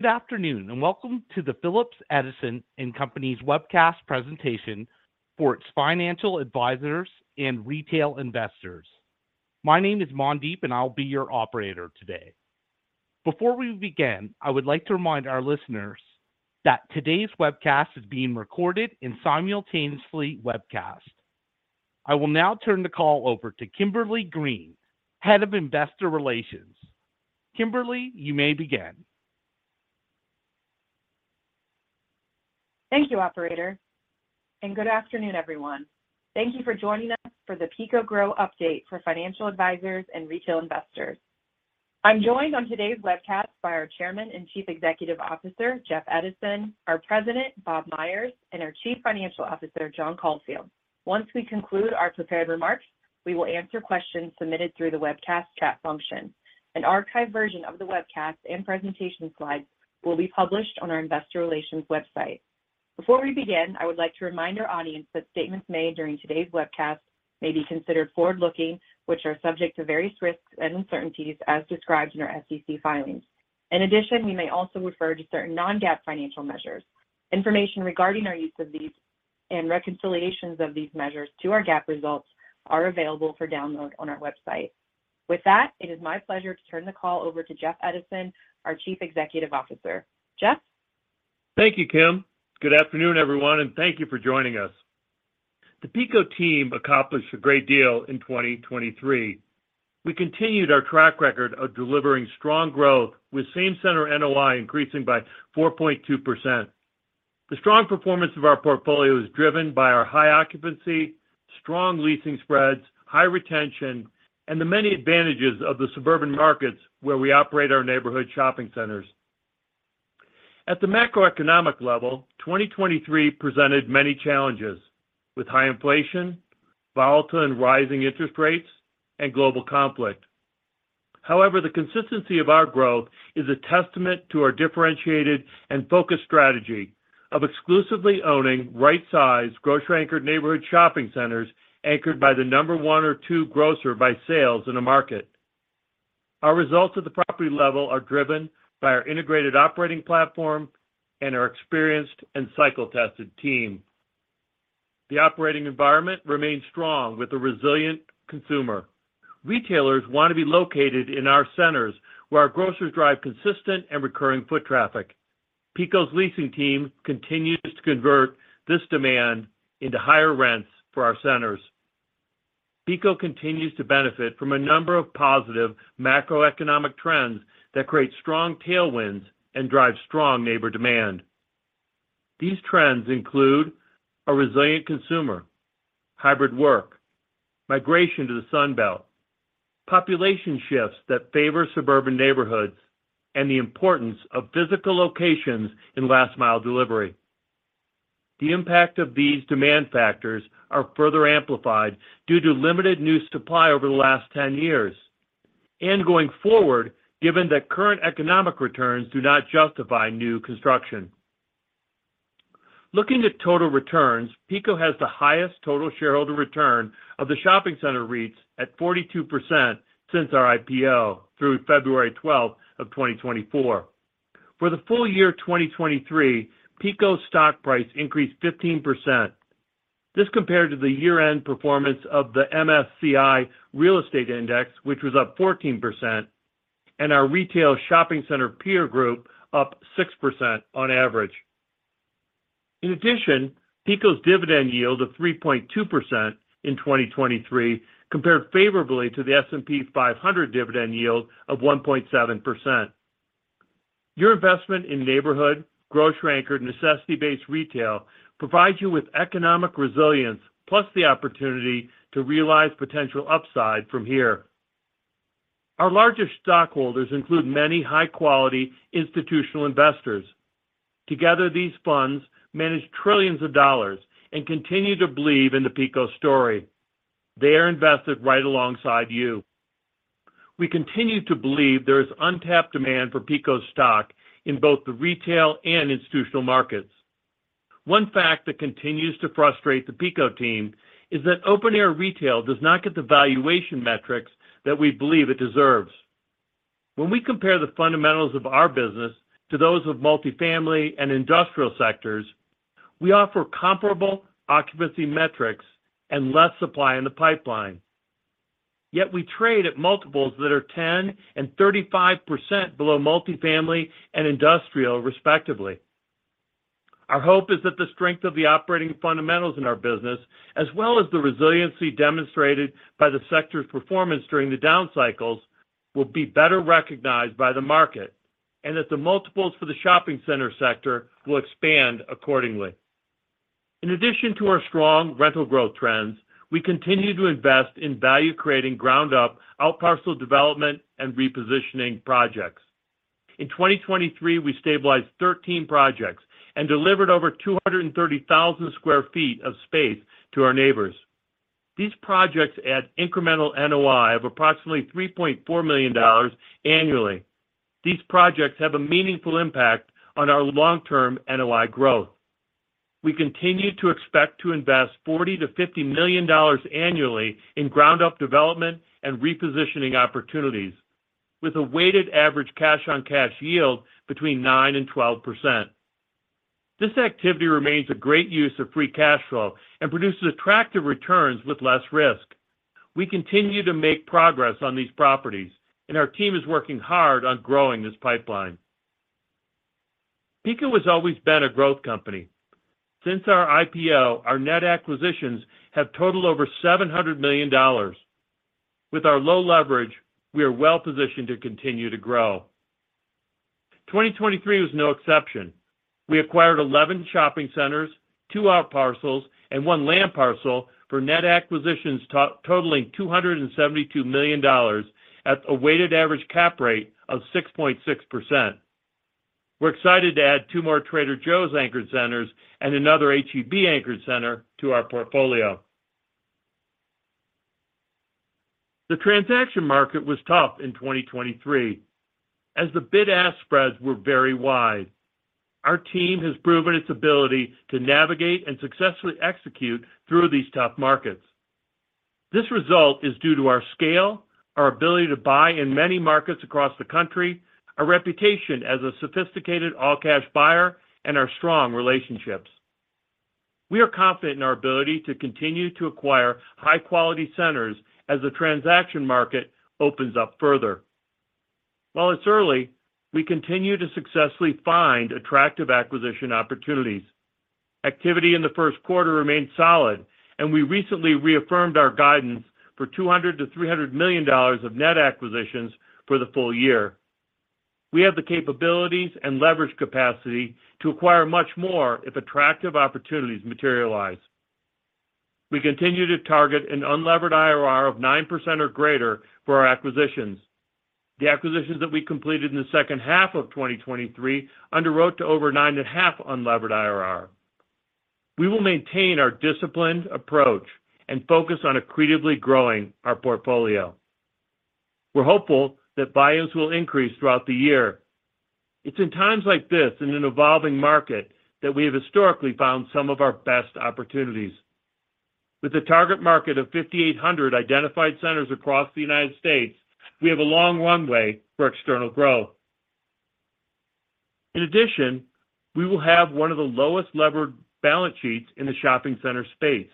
Good afternoon and welcome to the Phillips Edison & Company's webcast presentation for its financial advisors and retail investors. My name is Mandeep, and I'll be your operator today. Before we begin, I would like to remind our listeners that today's webcast is being recorded and simultaneously webcast. I will now turn the call over to Kimberly Green, Head of Investor Relations. Kimberly, you may begin. Thank you, operator, and good afternoon, everyone. Thank you for joining us for the PECO GROW update for financial advisors and retail investors. I'm joined on today's webcast by our Chairman and Chief Executive Officer, Jeff Edison, our President, Bob Myers, and our Chief Financial Officer, John Caulfield. Once we conclude our prepared remarks, we will answer questions submitted through the webcast chat function, and archived versions of the webcast and presentation slides will be published on our investor relations website. Before we begin, I would like to remind our audience that statements made during today's webcast may be considered forward-looking, which are subject to various risks and uncertainties as described in our SEC filings. In addition, we may also refer to certain non-GAAP financial measures. Information regarding our use of these and reconciliations of these measures to our GAAP results is available for download on our website. With that, it is my pleasure to turn the call over to Jeff Edison, our Chief Executive Officer. Jeff? Thank you, Kim. Good afternoon, everyone, and thank you for joining us. The PECO team accomplished a great deal in 2023. We continued our track record of delivering strong growth, with Same Center NOI increasing by 4.2%. The strong performance of our portfolio is driven by our high occupancy, strong leasing spreads, high retention, and the many advantages of the suburban markets where we operate our neighborhood shopping centers. At the macroeconomic level, 2023 presented many challenges, with high inflation, volatile and rising interest rates, and global conflict. However, the consistency of our growth is a testament to our differentiated and focused strategy of exclusively owning right-sized, grocery-anchored neighborhood shopping centers anchored by the number one or two grocer by sales in a market. Our results at the property level are driven by our integrated operating platform and our experienced and cycle-tested team. The operating environment remains strong, with a resilient consumer. Retailers want to be located in our centers where our grocers drive consistent and recurring foot traffic. PECO's leasing team continues to convert this demand into higher rents for our centers. PECO continues to benefit from a number of positive macroeconomic trends that create strong tailwinds and drive strong neighbor demand. These trends include a resilient consumer, hybrid work, migration to the Sun Belt, population shifts that favor suburban neighborhoods, and the importance of physical locations in last-mile delivery. The impact of these demand factors is further amplified due to limited new supply over the last 10 years and going forward, given that current economic returns do not justify new construction. Looking at total returns, PECO has the highest total shareholder return of the shopping center REITs at 42% since our IPO through February 12th of 2024. For the full year 2023, PECO stock price increased 15%. This compared to the year-end performance of the MSCI Real Estate Index, which was up 14%, and our retail shopping center peer group up 6% on average. In addition, PECO's dividend yield of 3.2% in 2023 compared favorably to the S&P 500 dividend yield of 1.7%. Your investment in neighborhood, grocery-anchored, necessity-based retail provides you with economic resilience, plus the opportunity to realize potential upside from here. Our largest stockholders include many high-quality institutional investors. Together, these funds manage trillions of dollars and continue to believe in the PECO story. They are invested right alongside you. We continue to believe there is untapped demand for PECO stock in both the retail and institutional markets. One fact that continues to frustrate the PECO team is that open-air retail does not get the valuation metrics that we believe it deserves. When we compare the fundamentals of our business to those of multifamily and industrial sectors, we offer comparable occupancy metrics and less supply in the pipeline. Yet we trade at multiples that are 10% and 35% below multifamily and industrial, respectively. Our hope is that the strength of the operating fundamentals in our business, as well as the resiliency demonstrated by the sector's performance during the down cycles, will be better recognized by the market and that the multiples for the shopping center sector will expand accordingly. In addition to our strong rental growth trends, we continue to invest in value-creating ground-up outparcel development and repositioning projects. In 2023, we stabilized 13 projects and delivered over 230,000 sq ft of space to our neighbors. These projects add incremental NOI of approximately $3.4 million annually. These projects have a meaningful impact on our long-term NOI growth. We continue to expect to invest $40-$50 million annually in ground-up development and repositioning opportunities, with a weighted average cash-on-cash yield between 9%-12%. This activity remains a great use of free cash flow and produces attractive returns with less risk. We continue to make progress on these properties, and our team is working hard on growing this pipeline. PECO has always been a growth company. Since our IPO, our net acquisitions have totaled over $700 million. With our low leverage, we are well positioned to continue to grow. 2023 was no exception. We acquired 11 shopping centers, two outparcels, and one land parcel for net acquisitions totaling $272 million at a weighted average cap rate of 6.6%. We're excited to add two more Trader Joe's-anchored centers and another H-E-B-anchored center to our portfolio. The transaction market was tough in 2023 as the bid-ask spreads were very wide. Our team has proven its ability to navigate and successfully execute through these tough markets. This result is due to our scale, our ability to buy in many markets across the country, our reputation as a sophisticated all-cash buyer, and our strong relationships. We are confident in our ability to continue to acquire high-quality centers as the transaction market opens up further. While it's early, we continue to successfully find attractive acquisition opportunities. Activity in the Q1 remained solid, and we recently reaffirmed our guidance for $200 million-$300 million of net acquisitions for the full year. We have the capabilities and leverage capacity to acquire much more if attractive opportunities materialize. We continue to target an unlevered IRR of 9% or greater for our acquisitions. The acquisitions that we completed in the second half of 2023 underwrote to over 9.5% unlevered IRR. We will maintain our disciplined approach and focus on accretively growing our portfolio. We're hopeful that buy-ins will increase throughout the year. It's in times like this, in an evolving market, that we have historically found some of our best opportunities. With a target market of 5,800 identified centers across the United States, we have a long runway for external growth. In addition, we will have one of the lowest levered balance sheets in the shopping center space.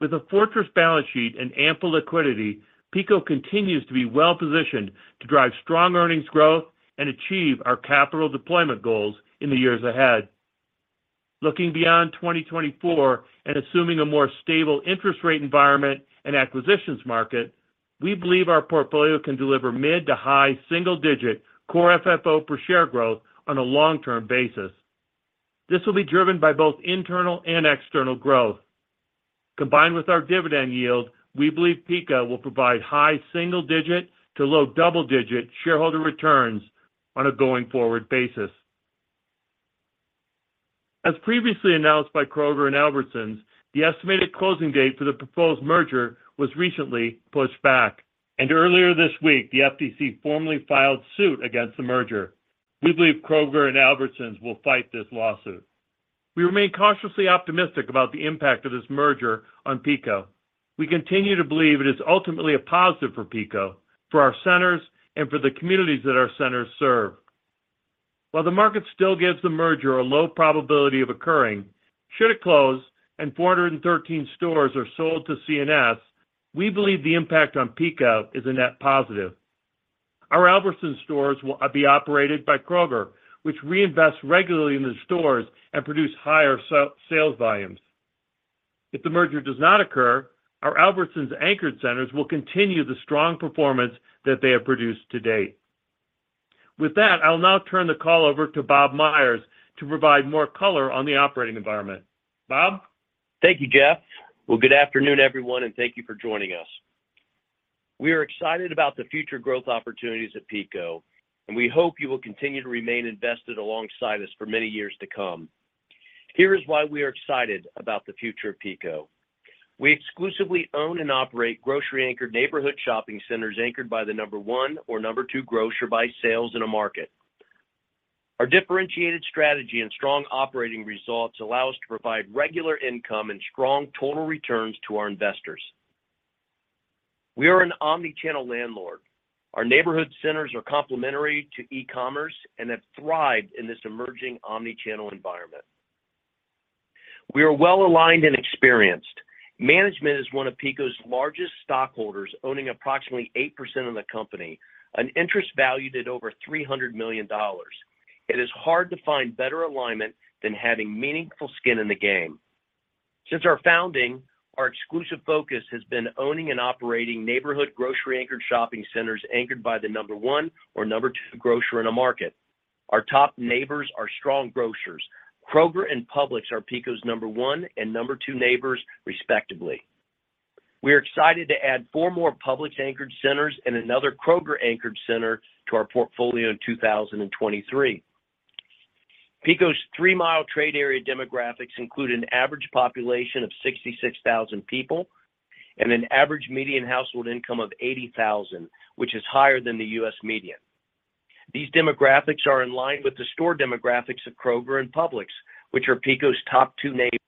With a fortress balance sheet and ample liquidity, PECO continues to be well positioned to drive strong earnings growth and achieve our capital deployment goals in the years ahead. Looking beyond 2024 and assuming a more stable interest rate environment and acquisitions market, we believe our portfolio can deliver mid- to high single-digit Core FFO per share growth on a long-term basis. This will be driven by both internal and external growth. Combined with our dividend yield, we believe PECO will provide high single-digit to low double-digit shareholder returns on a going forward basis. As previously announced by Kroger and Albertsons, the estimated closing date for the proposed merger was recently pushed back, and earlier this week, the FTC formally filed suit against the merger. We believe Kroger and Albertsons will fight this lawsuit. We remain cautiously optimistic about the impact of this merger on PECO. We continue to believe it is ultimately a positive for PECO, for our centers, and for the communities that our centers serve. While the market still gives the merger a low probability of occurring, should it close and 413 stores are sold to C&S, we believe the impact on PECO is a net positive. Our Albertsons stores will be operated by Kroger, which reinvests regularly in the stores and produces higher sales volumes. If the merger does not occur, our Albertsons-anchored centers will continue the strong performance that they have produced to date. With that, I'll now turn the call over to Bob Myers to provide more color on the operating environment. Bob? Thank you, Jeff. Well, good afternoon, everyone, and thank you for joining us. We are excited about the future growth opportunities at PECO, and we hope you will continue to remain invested alongside us for many years to come. Here is why we are excited about the future of PECO. We exclusively own and operate grocery-anchored neighborhood shopping centers anchored by the number one or number two grocer by sales in a market. Our differentiated strategy and strong operating results allow us to provide regular income and strong total returns to our investors. We are an omnichannel landlord. Our neighborhood centers are complementary to e-commerce and have thrived in this emerging omnichannel environment. We are well aligned and experienced. Management is one of PECO's largest stockholders, owning approximately 8% of the company, an interest valued at over $300 million. It is hard to find better alignment than having meaningful skin in the game. Since our founding, our exclusive focus has been owning and operating neighborhood grocery-anchored shopping centers anchored by the number one or number two grocer in a market. Our top neighbors are strong grocers. Kroger and Publix are PECO's number one and number two neighbors, respectively. We are excited to add four more Publix-anchored centers and another Kroger-anchored center to our portfolio in 2023. PECO's three-mile trade area demographics include an average population of 66,000 people and an average median household income of 80,000, which is higher than the U.S. median. These demographics are in line with the store demographics of Kroger and Publix, which are PECO's top two neighbors.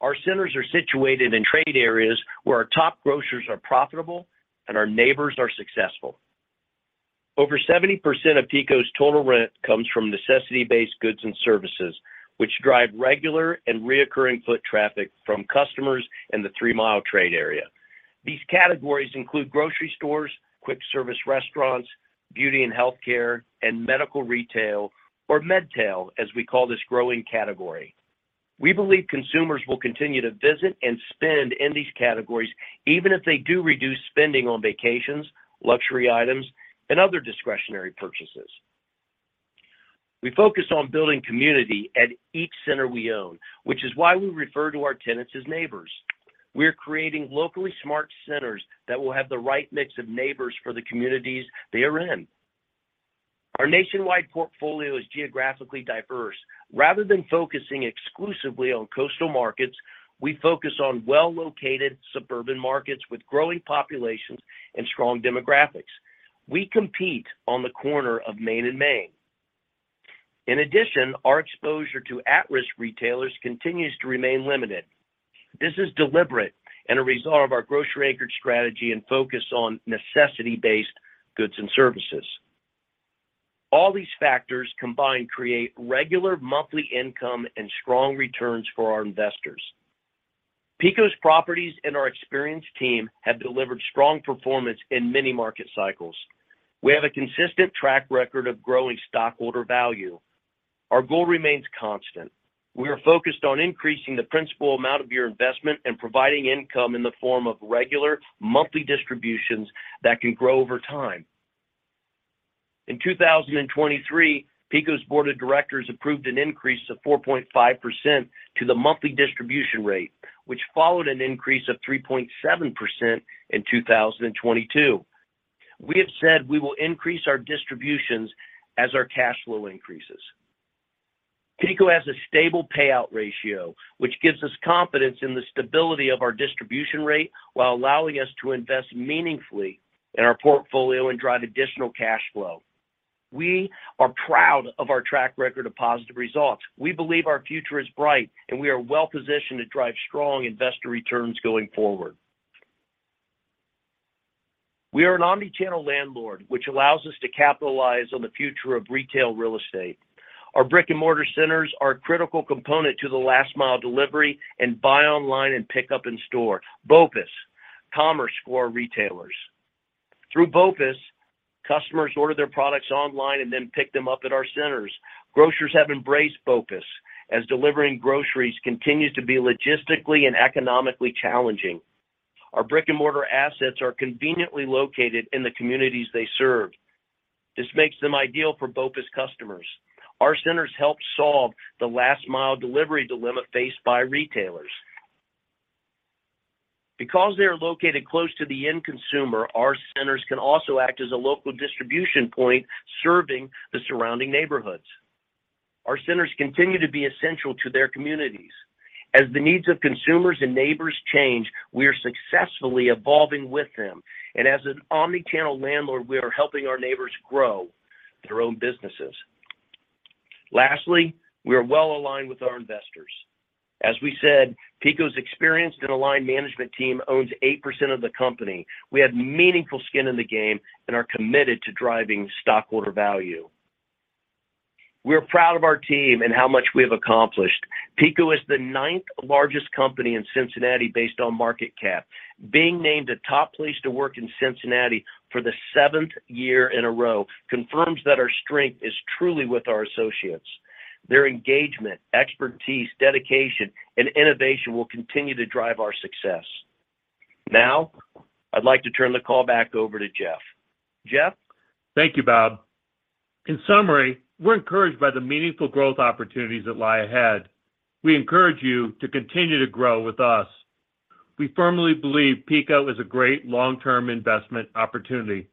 Our centers are situated in trade areas where our top grocers are profitable and our neighbors are successful. Over 70% of PECO's total rent comes from necessity-based goods and services, which drive regular and recurring foot traffic from customers in the three-mile trade area. These categories include grocery stores, quick-service restaurants, beauty and healthcare, and medical retail, or MedTail, as we call this growing category. We believe consumers will continue to visit and spend in these categories, even if they do reduce spending on vacations, luxury items, and other discretionary purchases. We focus on building community at each center we own, which is why we refer to our tenants as neighbors. We are creating locally smart centers that will have the right mix of neighbors for the communities they are in. Our nationwide portfolio is geographically diverse. Rather than focusing exclusively on coastal markets, we focus on well-located suburban markets with growing populations and strong demographics. We compete on the corner of Main and Main. In addition, our exposure to at-risk retailers continues to remain limited. This is deliberate and a result of our grocery-anchored strategy and focus on necessity-based goods and services. All these factors combined create regular monthly income and strong returns for our investors. PECO's properties and our experienced team have delivered strong performance in many market cycles. We have a consistent track record of growing stockholder value. Our goal remains constant. We are focused on increasing the principal amount of your investment and providing income in the form of regular monthly distributions that can grow over time. In 2023, PECO's board of directors approved an increase of 4.5% to the monthly distribution rate, which followed an increase of 3.7% in 2022. We have said we will increase our distributions as our cash flow increases. PECO has a stable payout ratio, which gives us confidence in the stability of our distribution rate while allowing us to invest meaningfully in our portfolio and drive additional cash flow. We are proud of our track record of positive results. We believe our future is bright, and we are well positioned to drive strong investor returns going forward. We are an omnichannel landlord, which allows us to capitalize on the future of retail real estate. Our brick-and-mortar centers are a critical component to the last-mile delivery and buy online and pick up in store, BOPUS, CommerceScore retailers. Through BOPUS, customers order their products online and then pick them up at our centers. Grocers have embraced BOPUS as delivering groceries continues to be logistically and economically challenging. Our brick-and-mortar assets are conveniently located in the communities they serve. This makes them ideal for BOPUS customers. Our centers help solve the last-mile delivery dilemma faced by retailers. Because they are located close to the end consumer, our centers can also act as a local distribution point serving the surrounding neighborhoods. Our centers continue to be essential to their communities. As the needs of consumers and neighbors change, we are successfully evolving with them, and as an omnichannel landlord, we are helping our neighbors grow their own businesses. Lastly, we are well aligned with our investors. As we said, PECO's experienced and aligned management team owns 8% of the company. We have meaningful skin in the game and are committed to driving stockholder value. We are proud of our team and how much we have accomplished. PECO is the ninth largest company in Cincinnati based on market cap. Being named the top place to work in Cincinnati for the seventh year in a row confirms that our strength is truly with our associates. Their engagement, expertise, dedication, and innovation will continue to drive our success. Now, I'd like to turn the call back over to Jeff. Jeff? Thank you, Bob. In summary, we're encouraged by the meaningful growth opportunities that lie ahead. We encourage you to continue to grow with us. We firmly believe PECO is a great long-term investment opportunity.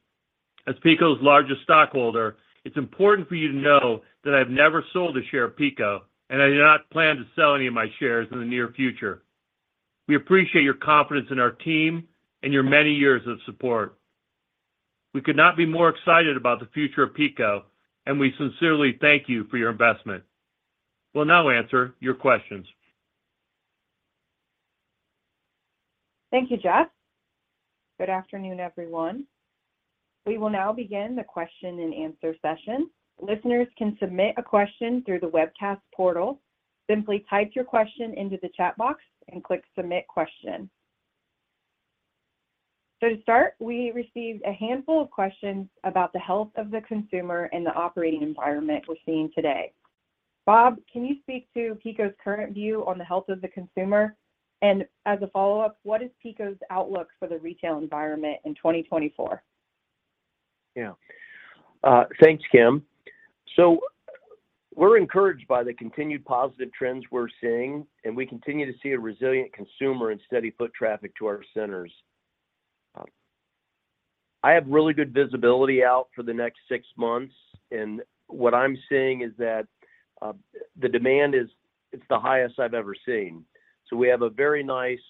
As PECO's largest stockholder, it's important for you to know that I have never sold a share of PECO, and I do not plan to sell any of my shares in the near future. We appreciate your confidence in our team and your many years of support. We could not be more excited about the future of PECO, and we sincerely thank you for your investment. We'll now answer your questions. Thank you, Jeff. Good afternoon, everyone. We will now begin the question-and-answer session. Listeners can submit a question through the webcast portal. Simply type your question into the chat box and click Submit Question. So to start, we received a handful of questions about the health of the consumer and the operating environment we're seeing today. Bob, can you speak to PECO's current view on the health of the consumer? And as a follow-up, what is PECO's outlook for the retail environment in 2024? Yeah. Thanks, Kim. So we're encouraged by the continued positive trends we're seeing, and we continue to see a resilient consumer and steady foot traffic to our centers. I have really good visibility out for the next 6 months, and what I'm seeing is that the demand is the highest I've ever seen. So we have a very nice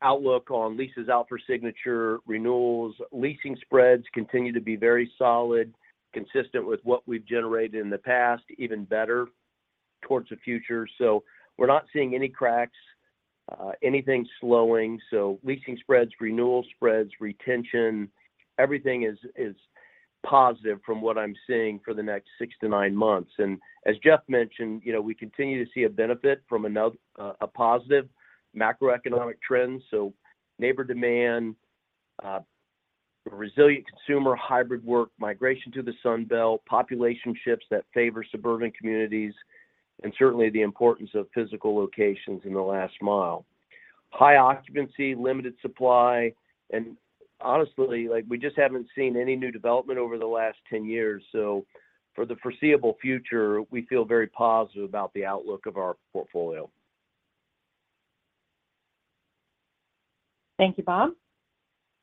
outlook on leases out for signature, renewals. Leasing spreads continue to be very solid, consistent with what we've generated in the past, even better towards the future. So we're not seeing any cracks, anything slowing. So leasing spreads, renewal spreads, retention, everything is positive from what I'm seeing for the next 6-9 months. And as Jeff mentioned, we continue to see a benefit from a positive macroeconomic trend. Neighbor demand, resilient consumer, hybrid work, migration to the Sun Belt, population shifts that favor suburban communities, and certainly the importance of physical locations in the last mile. High occupancy, limited supply, and honestly, we just haven't seen any new development over the last 10 years. So for the foreseeable future, we feel very positive about the outlook of our portfolio. Thank you, Bob.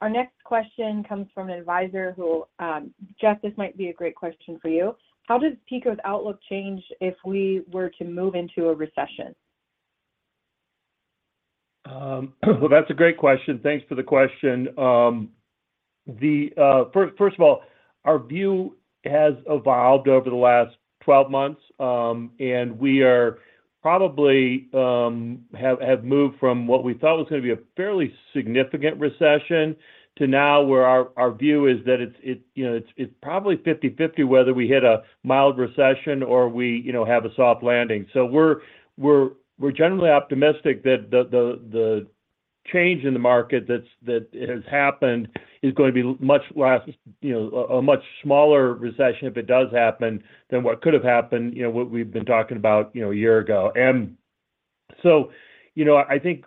Our next question comes from an advisor who, Jeff, this might be a great question for you. How does PECO's outlook change if we were to move into a recession? Well, that's a great question. Thanks for the question. First of all, our view has evolved over the last 12 months, and we probably have moved from what we thought was going to be a fairly significant recession to now where our view is that it's probably 50/50 whether we hit a mild recession or we have a soft landing. So we're generally optimistic that the change in the market that has happened is going to be much less a much smaller recession if it does happen than what could have happened, what we've been talking about a year ago. And so I think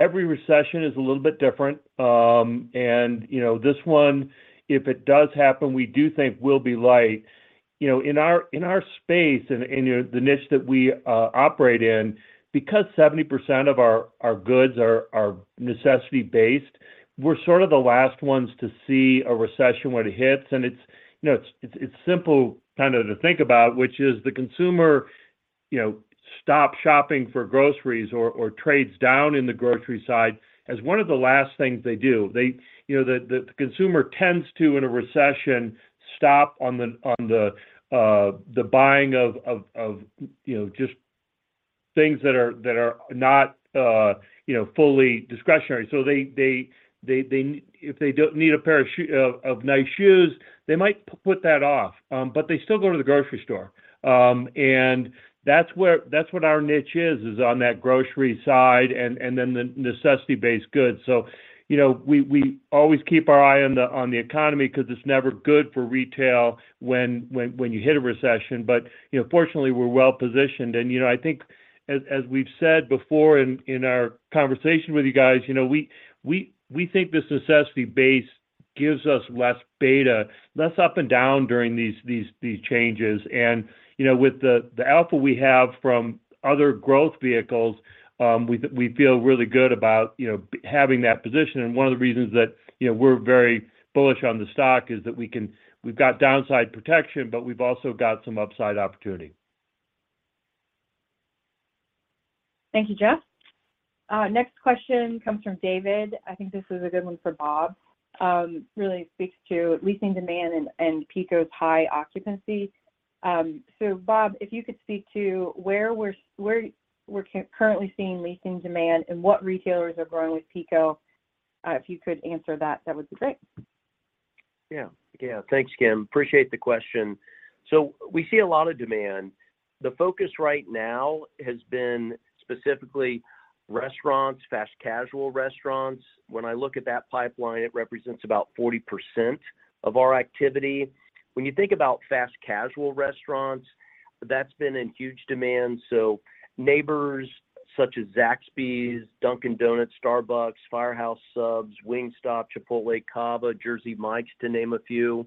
every recession is a little bit different, and this one, if it does happen, we do think will be light. In our space and the niche that we operate in, because 70% of our goods are necessity-based, we're sort of the last ones to see a recession when it hits. It's simple kind of to think about, which is the consumer stops shopping for groceries or trades down in the grocery side as one of the last things they do. The consumer tends to, in a recession, stop on the buying of just things that are not fully discretionary. So if they need a pair of nice shoes, they might put that off, but they still go to the grocery store. And that's what our niche is, is on that grocery side and then the necessity-based goods. So we always keep our eye on the economy because it's never good for retail when you hit a recession. But fortunately, we're well positioned. I think, as we've said before in our conversation with you guys, we think this necessity base gives us less beta, less up and down during these changes. With the alpha we have from other growth vehicles, we feel really good about having that position. One of the reasons that we're very bullish on the stock is that we've got downside protection, but we've also got some upside opportunity. Thank you, Jeff. Next question comes from David. I think this is a good one for Bob. Really speaks to leasing demand and PECO's high occupancy. So Bob, if you could speak to where we're currently seeing leasing demand and what retailers are growing with PECO, if you could answer that, that would be great. Yeah. Yeah. Thanks, Kim. Appreciate the question. So we see a lot of demand. The focus right now has been specifically restaurants, fast casual restaurants. When I look at that pipeline, it represents about 40% of our activity. When you think about fast casual restaurants, that's been in huge demand. So neighbors such as Zaxby's, Dunkin' Donuts, Starbucks, Firehouse Subs, Wingstop, Chipotle, Cava, Jersey Mike's, to name a few.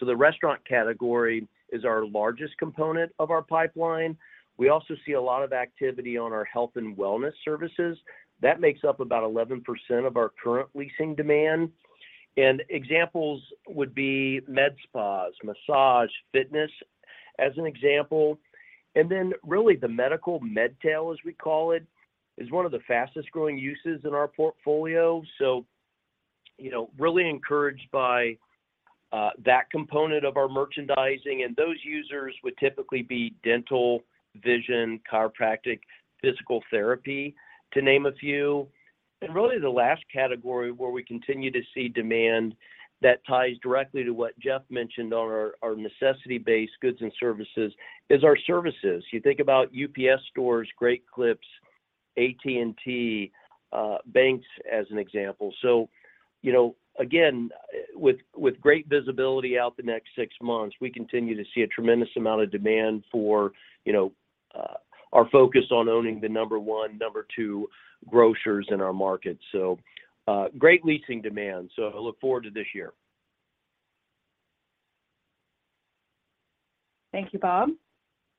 So the restaurant category is our largest component of our pipeline. We also see a lot of activity on our health and wellness services. That makes up about 11% of our current leasing demand. And examples would be med spas, massage, fitness, as an example. And then really, the medical, MedTail, as we call it, is one of the fastest-growing uses in our portfolio. So really encouraged by that component of our merchandising, and those users would typically be dental, vision, chiropractic, physical therapy, to name a few. Really, the last category where we continue to see demand that ties directly to what Jeff mentioned on our necessity-based goods and services is our services. You think about UPS stores, Great Clips, AT&T, banks, as an example. So again, with great visibility out the next six months, we continue to see a tremendous amount of demand for our focus on owning the number one, number two grocers in our market. So great leasing demand. So I look forward to this year. Thank you, Bob.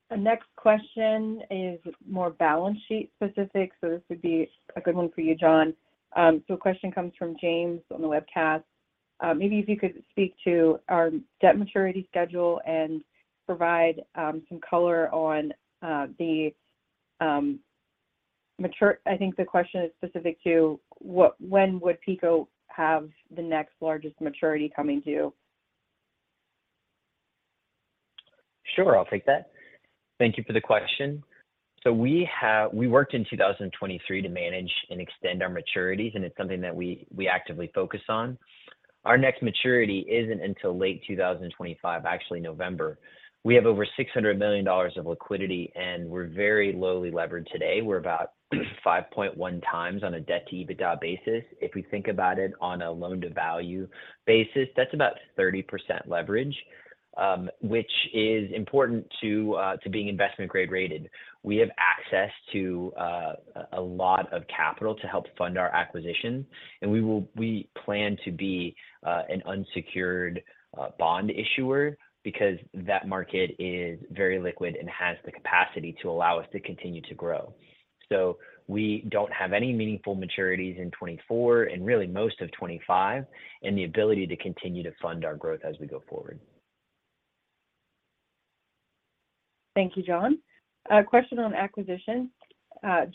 The next question is more balance sheet specific. So this would be a good one for you, John. So a question comes from James on the webcast. Maybe if you could speak to our debt maturity schedule and provide some color on the I think the question is specific to when would PECO have the next largest maturity coming due? Sure. I'll take that. Thank you for the question. So we worked in 2023 to manage and extend our maturities, and it's something that we actively focus on. Our next maturity isn't until late 2025, actually November. We have over $600 million of liquidity, and we're very lowly levered today. We're about 5.1 times on a Debt-to-EBITDA basis. If we think about it on a Loan-to-Value basis, that's about 30% leverage, which is important to being investment-grade rated. We have access to a lot of capital to help fund our acquisition, and we plan to be an unsecured bond issuer because that market is very liquid and has the capacity to allow us to continue to grow. So we don't have any meaningful maturities in 2024 and really most of 2025 and the ability to continue to fund our growth as we go forward. Thank you, John. A question on acquisitions.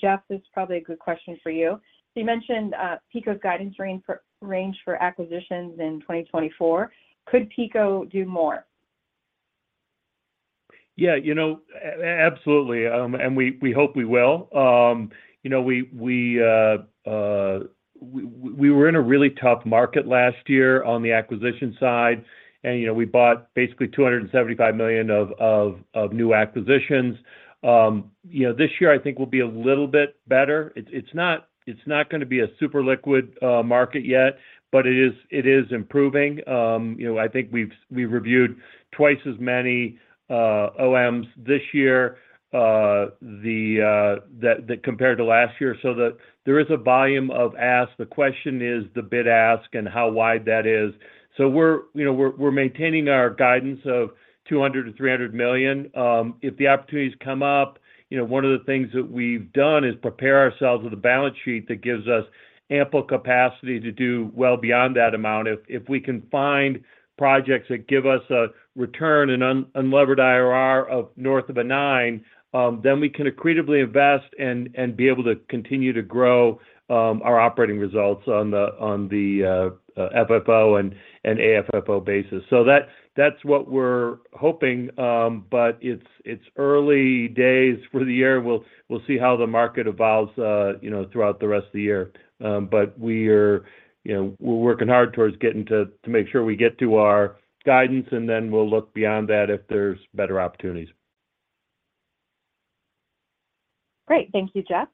Jeff, this is probably a good question for you. You mentioned PECO's guidance range for acquisitions in 2024. Could PECO do more? Yeah, absolutely. And we hope we will. We were in a really tough market last year on the acquisition side, and we bought basically $275 million of new acquisitions. This year, I think, will be a little bit better. It's not going to be a super liquid market yet, but it is improving. I think we've reviewed twice as many OMs this year compared to last year. So there is a volume of ask. The question is the bid ask and how wide that is. So we're maintaining our guidance of $200-$300 million. If the opportunities come up, one of the things that we've done is prepare ourselves with a balance sheet that gives us ample capacity to do well beyond that amount. If we can find projects that give us a return and unlevered IRR north of 9, then we can accretively invest and be able to continue to grow our operating results on the FFO and AFFO basis. So that's what we're hoping, but it's early days for the year. We'll see how the market evolves throughout the rest of the year. But we're working hard towards getting to make sure we get to our guidance, and then we'll look beyond that if there's better opportunities. Great. Thank you, Jeff.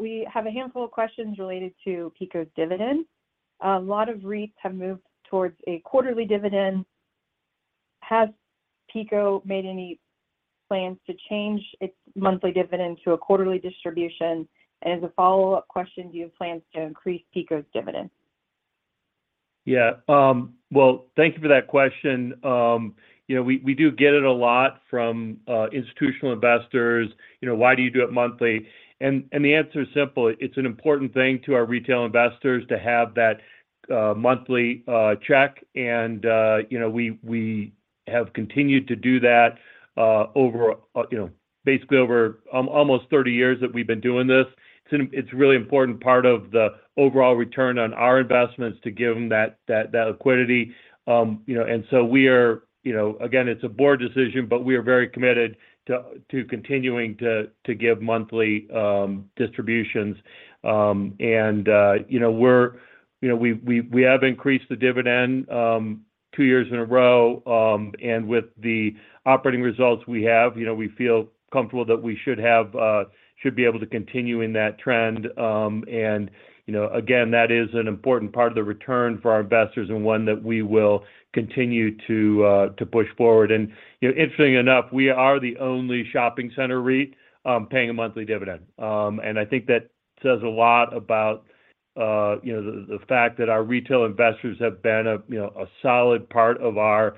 We have a handful of questions related to PECO's dividend. A lot of REITs have moved towards a quarterly dividend. Has PECO made any plans to change its monthly dividend to a quarterly distribution? And as a follow-up question, do you have plans to increase PECO's dividend? Yeah. Well, thank you for that question. We do get it a lot from institutional investors. Why do you do it monthly? And the answer is simple. It's an important thing to our retail investors to have that monthly check. And we have continued to do that basically over almost 30 years that we've been doing this. It's a really important part of the overall return on our investments to give them that liquidity. And so we are again, it's a board decision, but we are very committed to continuing to give monthly distributions. And we have increased the dividend two years in a row. And with the operating results we have, we feel comfortable that we should be able to continue in that trend. And again, that is an important part of the return for our investors and one that we will continue to push forward. Interestingly enough, we are the only shopping center REIT paying a monthly dividend. I think that says a lot about the fact that our retail investors have been a solid part of our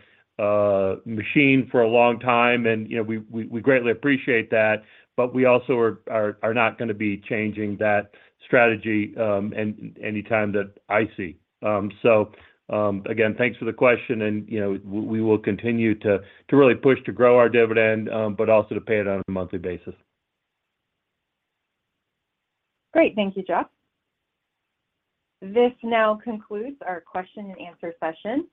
machine for a long time. We greatly appreciate that, but we also are not going to be changing that strategy anytime that I see. Again, thanks for the question, and we will continue to really push to grow our dividend, but also to pay it on a monthly basis. Great. Thank you, Jeff. This now concludes our question and answer session.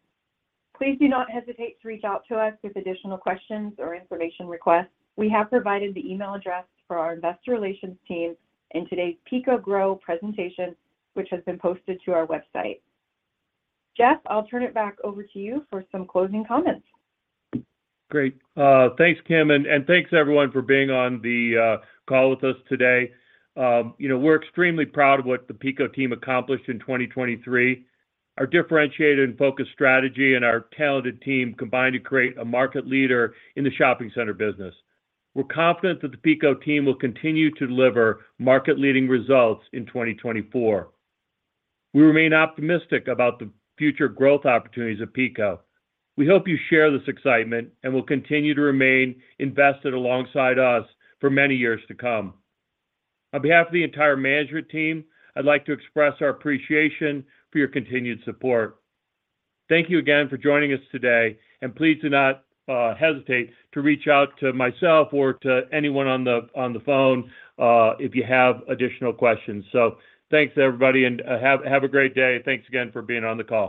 Please do not hesitate to reach out to us with additional questions or information requests. We have provided the email address for our investor relations team in today's PECO GROW presentation, which has been posted to our website. Jeff, I'll turn it back over to you for some closing comments. Great. Thanks, Kim, and thanks, everyone, for being on the call with us today. We're extremely proud of what the PECO team accomplished in 2023, our differentiated and focused strategy, and our talented team combined to create a market leader in the shopping center business. We're confident that the PECO team will continue to deliver market-leading results in 2024. We remain optimistic about the future growth opportunities at PECO. We hope you share this excitement and will continue to remain invested alongside us for many years to come. On behalf of the entire management team, I'd like to express our appreciation for your continued support. Thank you again for joining us today, and please do not hesitate to reach out to myself or to anyone on the phone if you have additional questions. So thanks, everybody, and have a great day. Thanks again for being on the call.